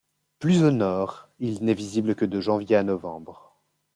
Plus au nord il n'est visible que de janvier à novembre.